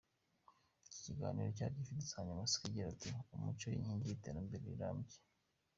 Iki kiganiro cyari gifite insanganyamatsiko igira iti “ Umuco inkingi y’iterambere rirambye.